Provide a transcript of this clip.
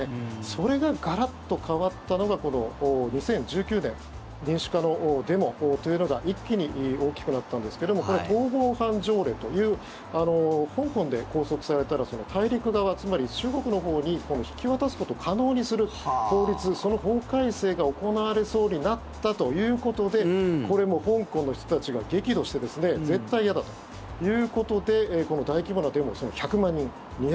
それがガラッと変わったのが２０１９年民主化のデモというのが一気に大きくなったんですけどもこの逃亡犯条例という香港で拘束されたら大陸側つまり中国のほうに引き渡すことを可能にする法律その法改正が行われそうになったということでこれ、香港の人たちが激怒して絶対嫌だということでこの大規模なデモ１００万人、２００万人。